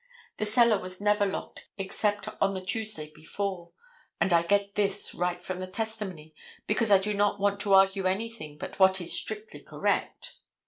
The cellar was never unlocked except on the Tuesday before—and I get this right from the testimony because I do not want to argue anything but what is strictly correct.